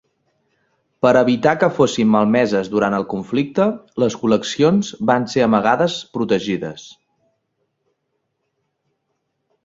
Per evitar que fossin malmeses durant el conflicte, les col·leccions van ser amagades protegides.